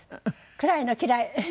暗いの嫌い。